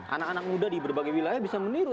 anak anak muda di berbagai wilayah bisa meniru